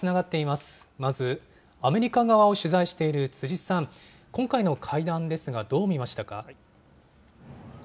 まず、アメリカ側を取材している辻さん、今回の会談ですが、どう見ましたか。